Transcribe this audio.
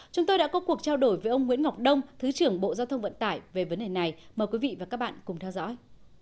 chúng tôi đã có cuộc trao đổi với ông nguyễn ngọc đông thứ trưởng bộ giao thông vận tải về vấn đề này mời quý vị và các bạn cùng theo dõi